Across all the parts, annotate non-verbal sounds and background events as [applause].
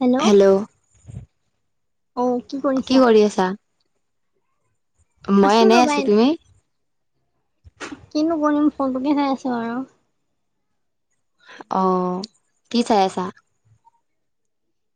Hello hello অ কি কৰিছা? কৰি আছা? মই এনেই আছো। তুমি- কিনো কৰিম ফোনটোকেই চাই আছো। আৰু অ কি চাই আছা।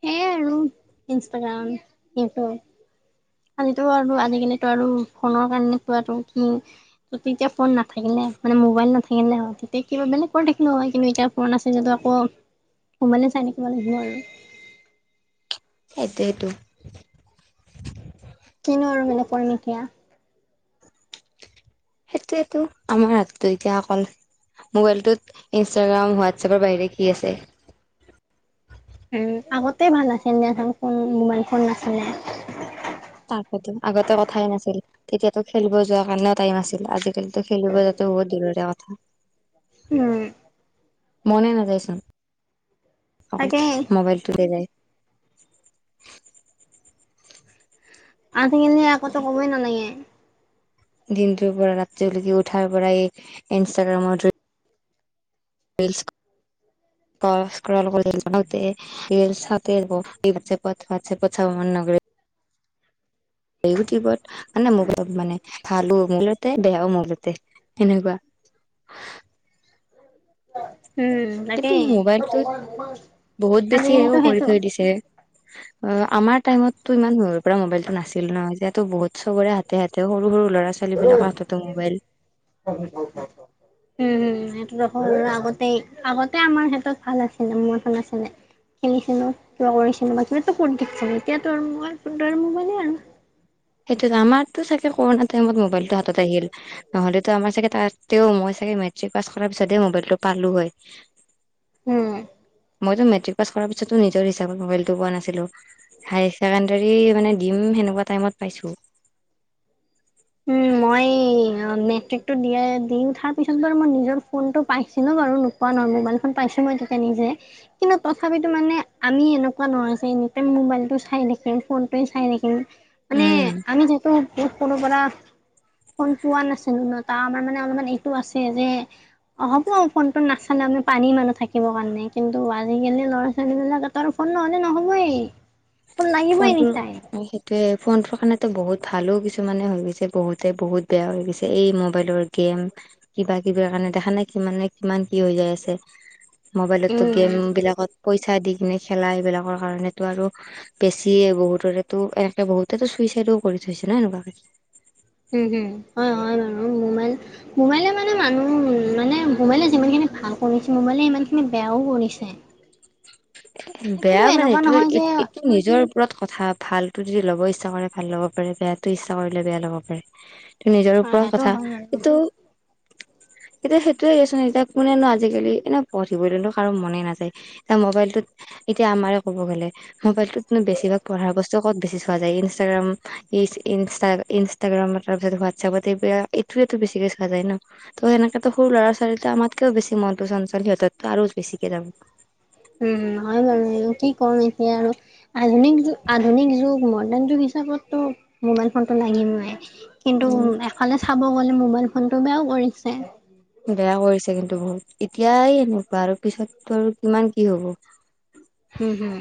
সেইয়াই আৰু ইনষ্টাগ্ৰাম ইউটিউব- আজিতো আৰু আজিকালিতো আৰু ফোনৰ কাৰণে থোৱাতটো কি ত এতিয়া ফোন নাথাকিলে। মানে মোবাইল নাথাকে নে তেতিয়া কিবা বেলেগ কৰি দেখিলো হয় কিন্তু এতিয়া ফোন আছে। যটো আকৌ মোবাইলে চাই থাকিব লাগিব। আৰু এইটোৱে টো উপণকীয়া- সেইটোয়েতো আমাৰ হাতটো এতিয়া অকল মোবাইলটোত ইনষ্টাগ্ৰাম হোৱাটছএপৰ বাহিৰে কি আছে। উম আগতে ভাল আছিলে [unintelligible] কোন মোবাইল ফোন নাছিলে। তাৰতো আগতে কথাই নাছিল তেতিয়াতো খেলিব যোৱাৰ কাৰণেও টাইম আছিল আজিকাল এটিয়াটো খেলিব যোৱাতো বহুত দূৰৰে কথা। উম। মনে নাযায়চোন অকল তাকে মোবাইলটো লে যায়। [unintelligible] আঠখিনে আকৌ ত ক'বই নালাগে। দিনটোৰ পৰা ৰাতিলৈকে উঠাৰ পৰা এই ইনষ্টাগ্ৰামত ধৰি। ৰিৰ্লচ [unintelligible] [unintelligible] ইউটিউবত মে মোক অলপ মানে ভালো মূলতে বেয়াও মূলতে এনেকুৱা- অ কিন্তু মোবাইলটোত বহুত বেছিও আজিকালিতো কৰি সেইটো থৈ দিছে। অ আমাৰ টাইমতটো ইমান সৰৰে পৰা মোবাইলতটো নাছিল। ন যে তো বহুত ত চবৰে হাতে হাতে সৰু, সৰু ল'ৰা ছোৱালী বিলাকৰ হাততো মোবাইল হম হম এইটো ৰা আগতেই আগতে আমাৰ সিহঁত ভাল আছিলে মোৰ ভাল আছিলে। খেলিছিলো কিবা কৰিছিলো বাকী ফোন থছ এতিয়া তোৰ মোবাইল ফোন ত মোবাইলে আৰু সেইটো আমাৰতো চাগে কৰোণা টাইমত মোবাইলটো হাতত আহিল নহলেতো আমাৰ চাগে। তাত তে মই চাগে মেট্ৰিক পাছ কৰাৰ পিছত মোবাইলটো পাৰালো হয়। উম মই মেট্ৰিক পাছ কৰা পাছতো নিজৰ ইচ্ছামতে মোবাইল টো পোৱা নাছিলো। হাইছেকেন মানে দিম সেনেকুৱা টাইমত পাইছো। উম মই এই মেট্ৰিক টো দিয়াই দি উঠাৰ পিছত বাৰু মই নিজৰ ফোন টো পাইছিলো। বাৰু নোৱা নহয় মোবাইল ফোন পাইছো মই তেতিয়া নিজে কিন্তু তথাপিতো মানে আমি এনেকুৱা নহয় যে মোবাইলটো চাই থাকিম ফোনটোৱে চাই থাকিম মানে উম আমি যিহেতু সৰুৰ পৰা। [unintelligible] ফোন পোৱা নাছিলো ন তাৰ আমাৰ মানে অলপমান এইটো আছে যে অ হ'ব ফোনটো নাচালে আমি। পানী মানুহ থাকিব কাৰণে কিন্তু আজিকালি ল'ৰা ছোৱালী বিলাক ত আৰু ফোন নহ'লে নহ'বই ফোন লাগিবই ফোনটো এনি টাইম অ সেইটোয়ে ফোনটোৰ কাৰণেতো বহুত ভালো কিছুমানে হৈ গৈছে বহুতে বহুত বেয়া হৈ গৈছে এই মোবাইলৰ গেম কিবা কিবি কাৰণে। মানে দেখা নাই কিমানে কিমান কি হৈ যায় আছে। মবাইলতো উম গেম বিলাকত পইচা দি কিনে খেলা এইবিলাকৰ কাৰণেতো আৰু বেছিয়ে বহুতৰে এনেকে বহুতে চুইচাইডও কৰি থৈছে ন এনেকুৱা উম হম হয় হয় বাৰু মোবাইল মোবাইলে মানে মানুহ মানে মোবাইলে যিমানখিনি ভাল কৰিছে মোৰ মানে ইমান খিনি বেয়াও কৰিছে। কিন্তু বেয়া মানে এনেকুৱা এইটো নহয় যে এইটো নিজৰ ওপৰত কথা ভাল। তটো যদি লব ইচ্ছা কৰে ভাল ল'ব পাৰে, বেয়াতটো ইচ্ছা কৰিলে বেয়া ল'ব পাৰে। নিজৰ হয় ওপৰত সেইটো কথা হয় বাৰু কিটো এতিয়া সেইটোয়ে আছোন এতিয়া কোনেনো আজিকালি এনেই পঢ়িবলৈ কাৰো মনে নাযায় এতিয়া মোবাইলটোত এতিয়া আমাৰে ক'ব গ'লে মোবাইলতটোতনো বেছিভাগ পঢ়া বস্তু ক'ত বেছি চোৱা যায় ইনষ্টাগ্ৰাম। ই ইনষ্টাগ্ৰামৰ তাৰপিছত হোৱাটছআপত এইটো বেছিকৈ চোৱা যায় ন ত হয় ন। সনেকেতো সৰু ল'ৰা ছোৱালীতো আমাতকেও বেছি মনটো চঞ্চল সিহঁতো আৰু বেছিকে যাব। উ হয় বাৰু এই কি কম এতিয়া আৰু আধুনিক আধুনিক যগ ম সেইতো মবাইল ফোন লাগিয়েই কিন্তু উম, এফে চাব। লে মোবাইল ফোনটো বেয়াও কৰিছে। বেয়া কৰিছে কিন্তু বহুত এতিয়াই এনেকুৱা আৰু পিছতো আৰু কিমান কি হ'ব। উম, হুম।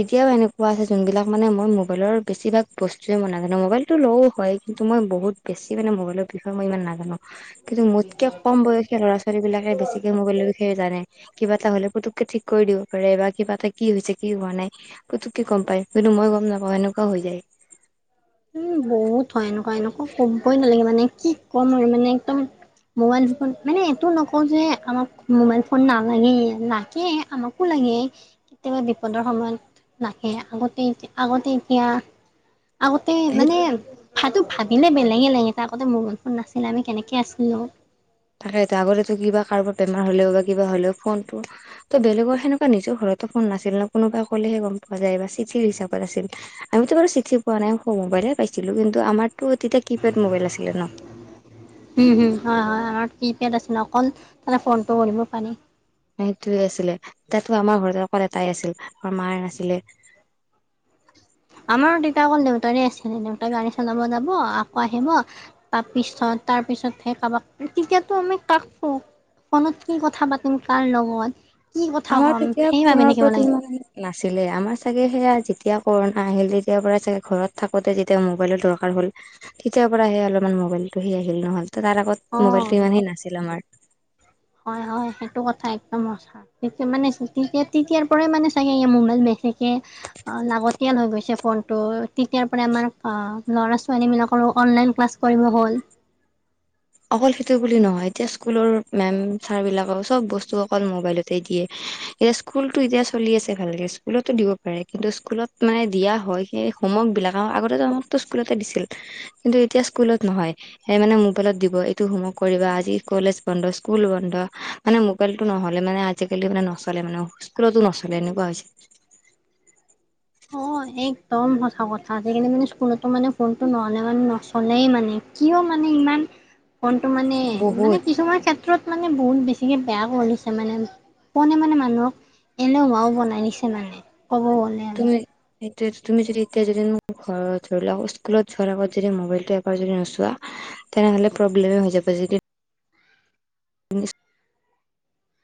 এতিয়াও এনেকোৱা আছে যোনবিলাক মানে মই মোবাইলৰ বেছিভাগ বস্তুৱে বনাব জানো মোবাইলটো লও হয় কিন্তু মই বহুত বেছি মান মবাইলৰ বিষয় মই ইমান নাজানো কিন্তু মোতকে কম বয়সীয়া ল'ৰা ছোৱালী বিলাকে বেছিকে মোবাইলৰ বিষয়ে জানে কিবা এটা হ'লে পুতুকে ঠিক কৰি দিব পাৰে বা কিবা এটা কি হৈছে কি হোৱা নাই পুতুককে গম পায় কিন্তু মই গম নাপাও এনেকুৱা হৈ যায় উম বহুত হয় এনেকুৱা এনেকুৱা ক'বই নালাগে মানে কি ক'ম আৰু মানে একদম। মোবাইল ফোন মানে এইটো নকওঁ যে আমাক মোবাইল ফোন নালাগে লাগে আমাকো লাগে। লাগে কেতিয়াবা বিপদৰ সময়ত লাগে আগতে এতিয়া আগতে এতিয়া আগতে সেই মানে ভাতটো ভাবিলে বেলেগে লাগে ত আগতে মগল ফোন নাছিলে আমি কেনেকে আছিলো। থাকে এতিয়া আগতে তো কিবা কাৰোবাক বেমাৰ হলেও বা কিবা হলেও ফোন ত বেলেগৰ সেনেকুৱা নিজৰ ঘৰতো ফোন নাছিল ন কোনোবা ক'লে। যায় বা চিঠিৰ হিচাপত আছিল আমিতো বাৰু চিঠি পোৱা নাই মোবাইলে পাইছিলো কিন্তু আমাৰতো তেতিয়া কিপেড মবাইল আছিল ন। উম হুম হয় হয় আমাৰ কি পেড আছিল অকল তে ফোনটো কৰিব পানী। সেইটোৱে আছিলে তাতো আমাৰ ঘৰত অকল এটাই আছিল আমাৰ মাৰ আছিলে। [unintelligible] আমাৰ দেতা অকল দেউতাৰে আছিলে দেউতাই গাড়ী চলাব যাব আকৌ আহিব তাৰপিছত তাৰপিছত চত হে খাব ক্ৰিকেটো আমি কাক ক ও আমি কি কথা পাতিম কাৰণ লগত। কি কথা আমাৰ ক'ম তেতিয়া সেই ভাবি ফোনৰ থাকিব লাগে প্ৰতিমান নাছিলে আমাৰ চাগে সেয়া। তেতিয়া কৰোণা আহিল তেতিয় পৰাই চাগে ঘৰত থাকোতে যেতিয়া মোবাইলৰ দৰকাৰ হ'ল তেতিয়াৰ পৰা আহে অলপমান। মোবাইল টো সি আহিল নহল তাৰ আগত মোবাইলটো অ'। ইমান সে নাছিল আমাৰ। হয় হয় সেইটো কথা একদম হছা তেতিয়াৰ পৰাই মানে চাগে মোমবাইল। ঠিকেই আ লাগতিয়াল হৈ গৈছে ফোনতটো তেতিয়াৰ পৰা আমাৰ আ ল'ৰা ছোৱালী বিলাকৰ। অ অনলাইন ক্লাছ কৰিব হ'ল। অকল সেইটো বুলি নহয় এতিয়া স্কুলৰ মেম চাৰ বিলাকেও চব বস্তু অকল মোবাইলতে দিয়ে। এতিয়া স্কুলতো এতিয়া চলি আছে ভালকে স্কুলতো দিব পাৰে কিন্তু স্কুলত মানে দিয়া হয় সে হুমৱক বিলাক আও আগতে জানো আমকটো স্কুলতে দিছিল কিন্তু এতিয়া স্কুলত নহয় হে মানে মোবাইলত দিব। এইটো হুমৱক কৰিবা আজি কলেজ বন্ধ স্কুল বন্ধ মানে মোবাইলটো নহ'লে মানে আজিকালি মানে আজি কালি নহয়ে নচলে মানে স্কুলতো নচলে এনেকোৱা হৈছে। [inaudible] অ একদম সঁচা কথা হেই খিনি মানে স্কুলতো মানে ফোনটো নহ'লে মানে নচলেই মানে কি কিয় মানে ইমান ফোনটো মানে মানে বহুত কিছুমান ক্ষে ত্ৰত মানে বহুত বেছিকে বেয়া কৰিছে মানে ফোনে মানে মানুহক এনেও মাও বনাই নিছে মানে ক'ব গ'লে আৰু। সেইটোয়ে তুমি যদি এতিয়া যদি ম ঘৰত ধৰি লোৱা স্কুলত যোৱাৰ আগত যদি মোবাইলটো এবাৰ যদি নোচোৱা তেনেহলে প্ৰব্লেম হৈ যাব যে কি ইনিচ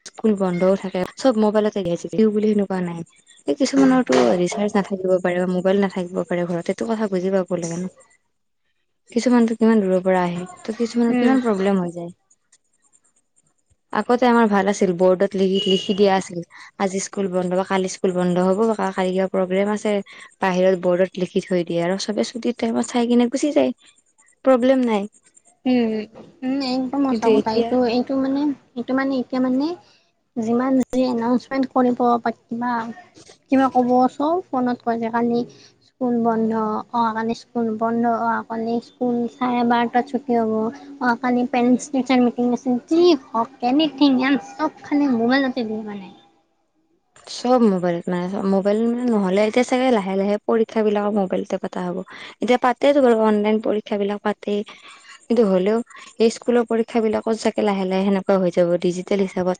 স্কুল বন্ধও থাকে চব মোবাইলতে গাইও বুলি সেনেকুৱা নাই এই কিছুমানৰতো ৰিচাৰ্জ নাথাকিব পাৰে বা মোবাইল নাথাকিব পাৰে ঘৰত এইটো কথা বুজি পাব লাগে ন। কিছুমানতো কিমান দূৰৰ পৰা আহে ত কিছুমানৰ উম কিমান প্ৰব্লেম হৈ যায়। আগতে আমাৰ ভাল আছিল বৰ্ডত লিখি লিখি দিয়া আছিল আজি স্কুল বন্ধ বা কালি স্কুল বন্ধ হ'ব। কা কাইকাৰ প্ৰগ্ৰেম আছে বাহিৰত বৰ্ডত লিখি থৈ দিয়ে আৰু চবে ছুটি টাইমত চাই কিনে গুচি যায় হেহ প্ৰব্লেম নাই। উম উম একদম কিন্তু সঁচা কথা এতিয়া এইটো এইটো মানে সেইটো মানে এতিয়া মানে যিমান যি এনাউচমেন্ট কৰিব বাত কিবা কিবা কব চো ফোনত কলে কালি স্কুল বন্ধ অহা কালি স্কুল বন্ধ অহা কালি স্কুল চাই এবাৰ তাছত কি হব অহা কালি পেৰেড টিচাৰ মিটিং আছে যি হওঁক এনিথিং এন চব খি। মোবাইল আছে মোৰ কাৰনে চব মোবাইলত মানে মোবাইল মানে নহ'লে এতিয়া চাগে লাহে লাহে পৰীক্ষা বিলাকৰ মোবাইলতে পতা হ'ব। হ'ব এতিয়া তাতে দিব লাগিব অনলাইন পৰীক্ষা বিলাক পাতে কিন্তু হ'লেও এই স্কুলৰ পৰীক্ষা। সেইবিলাকৰ চাগে লাহে লাহে হেনেকুৱা হৈ যাব ডিজিটেল হিচাপে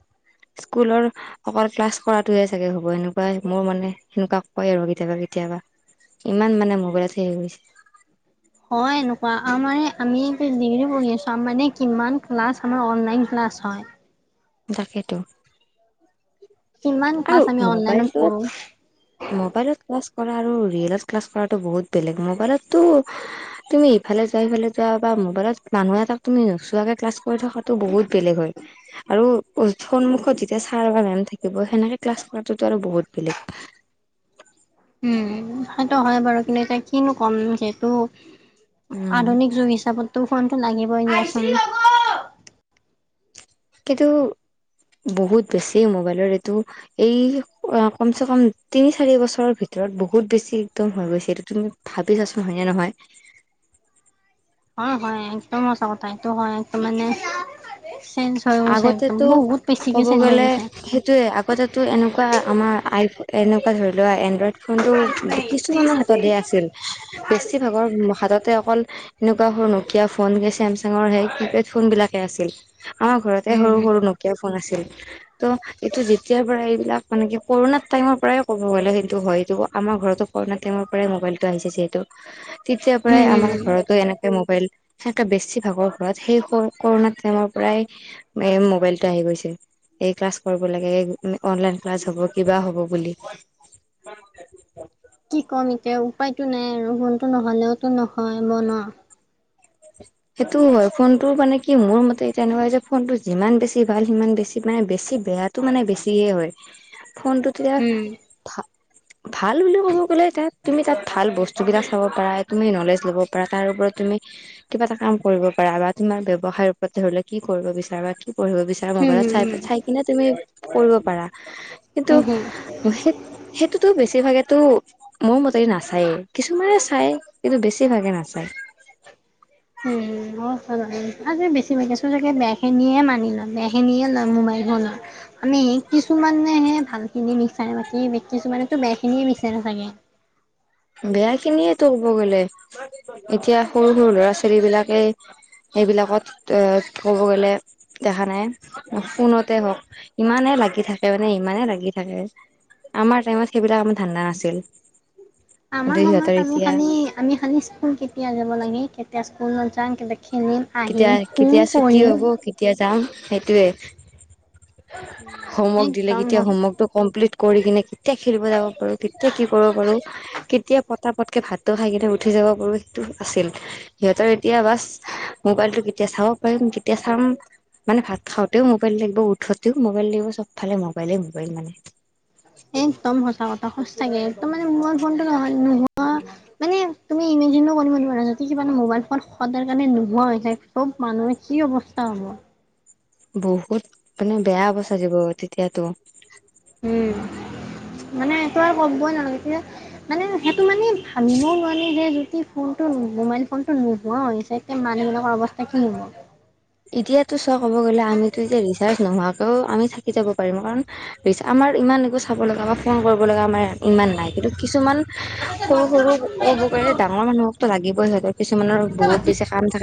স্কুলৰ সকলো সকল ক্লাছ। কৰাটোয়ে চাগে হ'ব এনেকুৱাই মোৰ মানে সেনেকুৱা কয় আৰু কেতিয়াবা কেতিয়াবা। ইমান মানে মোবাইলত হেই হৈ গৈছে। উ। হয় এনেকোৱা আমাৰে আমি ডিগ্ৰী পঢ়ি আছো মানে কিমান ক্লাছ আমাৰ অনলাইন ক্লাছ হয়। তাকেতো। কিমান আৰু ক্লাছ আমি অনলাইনত মোবাইলটোত কৰো। মোবাইলত ক্লাছ কৰা আৰু ৰিয়েলট ক্লাছ কৰাটো বহুত বেলেগ মোবাইলতো তুমি ইফালে যোৱা সিফালে যোৱা বা মোবাইলত মানুহ এটাক তুমি নোচোৱাকে ক্লাছ কৰি থকাটো বহুত বেলেগ হয়। আৰু সন্মুখত যেতিয়া ছাৰ বা মেম থাকিব সেনেকে ক্লাছ কৰাটোতো আৰু বহুত বেলেগ। উম সেইটো হয় বাৰু কিন্তু এতিয়া কিনো কম যিহেতু উম। আধুনিক যুগ হিচাপতো ফোনটো লাগিবই ন। কিতো বহুত বেছি মোবাইলৰ এইটো এই কমচে কম তিনি চাৰি বছৰৰ ভিতৰত ভিতৰত বহুত বেছি একদম হৈ গৈছে এইটো তুমি ভাবিছাচোন হয়নে নহয়। হয় হয় একদম সচা কথা এইটো হয় এইটো মানে চেঞ্জ হৈ গৈছে একদম আগতেতো বহুত বেছিকে ক'ব চেঞ্জ হৈ গলে গৈছে। সেইটোয়ে আগতেতো এনেকুৱা আমাৰ আইফ এনেকুৱা ধৰি লোৱা এ ই ফোনটো কিছুমানৰ হাতত আছিল বেছিভাগৰ হাততে অ অকল এনেকোৱা হয় নকিয়া ফোন চেমচাঙৰ সেই কিপেড ফোন বিলাকে আছিল। অহ ঘৰতে উম, সৰু উম, সৰু নকীয়া ফোন আছিল। তো' এইটো যেতিয়াৰ পৰা এইবিলাক মানে কি কৰুণাত টাইমৰ পৰাই কব গ'লে কিন্তু হয় আমাৰ আমাৰ ঘৰতো কৰণা টাইমৰ পৰাই মোবাইলটো আহিছে যিহেতু তেতিয়াৰ উম, পৰাই আমাৰ উম। ঘৰতো এনেকে মোবাইল- সে বেছি ভাগৰ ঘৰত সেই কৰুণাৰ টাইমৰ পৰাই মোবাইলটো আহি গৈছিল। এই ক্লাছ কৰিব লাগে এই অনলাইন ক্লাছ হ'ব কিবা হ'ব বুলি অ [unintelligible] কি কম এতিয়া উপায়তো নাই আৰু ফোনটো নহলেওতো নহয় ন সেইটো হয় ফোনটো মানে কি মোৰ মতে তেনেকুৱা যে ফোনতটো যিমান বেছি ভাল সিমান বেছি মানে বেছি বেয়াটো মানে বেছি হয় ফোনটো তেতিয়া উম, ভাল বুলি ক'ব গ'লে এতিয়া তুমি তাত ভাল বস্তুবিলাক চব পাৰা তুমি নলেজ লব পাৰা তাৰ ওপৰত তুমি কিবা এটা কাম- কৰিব পাৰা বা তোমাৰ ব্যৱায় ওপৰত ধৰি লও কি কৰিব বিচাৰ বা কি পঢ়িব বিচাৰা উম, মোবাইলত উম, চাই উম, চাই কিনে তুমি- কৰিব প কিন্তু উম, উম। সেই সেইটোতো বেছি- বেছিভাগেতো মোৰ মতে নাচায়েই কিছুমানে চাই কিন্তু বেছিভাগে নাচায়। হয় উম বহুত হয় তাৰ মানে আজি বেছি ভাগছো চাগে বেয়া খিনিয়ে মানি লয় বেয়া খিনিয়ে লয় মোবাইল আমি কিছুমানেহে ভাল খিনি মিক্স মতি কিছুমানো বেয়া খিনিয়ে বিচাৰে সচাঁকে বেয়া খিনিয়ে তো ক'ব গলে এতিয়া সৰু সৰু ল'ৰা ছোৱালী বিলাকে সেইবিলাকত তো ক'ব গলে দেখা নাই ফোনতে হওঁক ইমানে লাগি থাকে মানে ইমানে লাগি থাকে আমাৰ টাইমত সেইবিলাক আমাৰ ধান্দা নাছিল। আমাৰ কিন্তু সিহঁতৰ সময়ত আমি এতিয়া খালি আমি খালি স্কুল কেতিয়া যাব লাগে কেতিয়া স্কুল নাযাওঁ কে কেতিয়া কেতিয়া ছুটি হব কেতিয়া যাম- সেইটোয়ে হোমৱৰ্ক দিলে একদম কেতিয়া হোমৱৰ্কতটো কমপ্লিট- কৰি কিনে কেতিয়া খেলিব যাব পাৰোঁ কেতিয়া কি কৰিব পাৰো কেতিয়া পত পতকে ভাতটো খাই কিনে উঠি যা যাব পাৰোঁ সেইটো আছিল সিহঁতৰ এতিয়া বাচ মোবাইলটো কেতিয়া চাব পাৰিম তেতিয়া চাম মানে ভাত খাওঁতেও মোবাইল লাগিব উঠতেও মোবাইল লাগিব চব চবফালে মোবাইলেই মোবাইল মানে সস্তাকে ত মানে মোবাইল ফোনটো ন নোহোৱা মানে তুমি ইমেজিনো কৰিব নোৱাৰা কিবা- মোবাইল ফোন সদাৰ কাৰণে নোহোৱা চব মানুহে কি অৱস্থা হ'ব। বহুত মানে বেয়া অৱস্থা দিব তেতিয়া তোৰ উম মানে একো আৰু কবই নালাগে তেতিয়া। মানে সেইটো মানে ভাবিবও নোৱাৰি যে যদি ফোনতটো মোবাইল ফোনতটো নোহোৱা‌ হয় যায় কালি এনেকুৱা অৱস্থা কি হ'ব- এতিয়াতো চ ক'ব গ'লে আমিতো ৰিচাৰ্জ নোহোৱা অও আমি থাকি যাব পাৰিম কাৰণ আমাৰ ইমান একো চাব লগা বা ফোন কৰিব- লগা আমাৰ ইমান নাই কিন্তু কিছুমান সৰু সৰু ক'ব কি গ'লে ডাঙৰ মানুহকো লাগিবই হয়। কিছুমানৰ বহুত হ'ব। বেছি কাম থাকে।